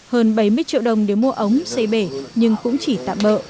hơn bảy mươi triệu đồng để mua ống xây bể nhưng cũng chỉ tạm bỡ